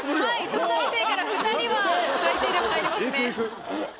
特待生から２人は最低でも入りますね。